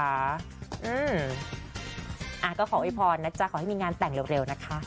อ่าก็ขอโวยพรนะจ๊ะขอให้มีงานแต่งเร็วนะคะ